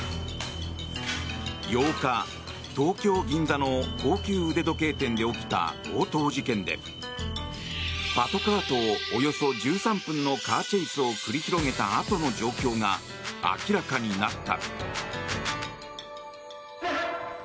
８日、東京・銀座の高級腕時計店で起きた強盗事件でパトカーとおよそ１３分のカーチェイスを繰り広げたあとの状況が明らかになった。